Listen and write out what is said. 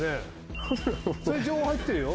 そういう情報入ってるよ。